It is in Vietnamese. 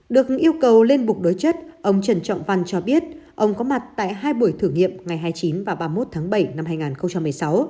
được yêu cầu lên bục đối chất ông trần trọng văn cho biết ông có mặt tại hai buổi thử nghiệm ngày hai mươi chín và ba mươi một tháng bảy năm hai nghìn một mươi sáu